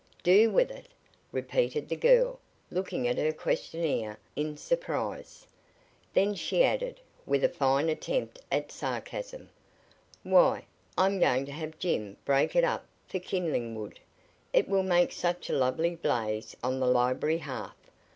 "Do with it?" repeated the girl, looking at her questioner in surprise; then she added, with a fine attempt at sarcasm: "Why, I'm going to have Jim break it up for kindling wood. It will make such a lovely blaze on the library hearth.